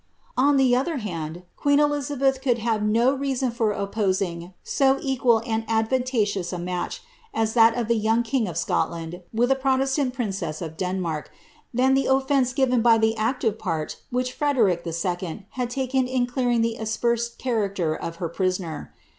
On the other hand, queen Elizabeth could have had no reason for opposing so equal and advantageous a match as that of the young king of ScotLand with a protestant princess of Denmark, than the ofience given by the active part which Frederic IF. had taken in clearing the aspersed character of her prisoner.